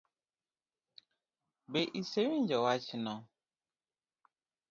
Be isewinjo wachno?